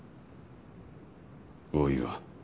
大岩。